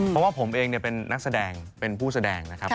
เพราะว่าผมเองเป็นนักแสดงเป็นผู้แสดงนะครับ